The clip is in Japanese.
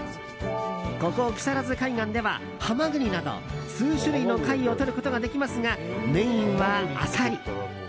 ここ木更津海岸ではハマグリなど数種類の貝をとることができますがメインはアサリ。